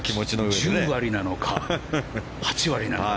１０割なのか、８割なのか。